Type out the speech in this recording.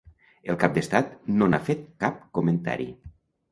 El cap d'estat no n'ha fet cap comentari.